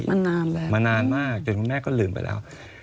มันนานแล้วมานานมากจนคุณแม่ก็ลืมไปแล้ว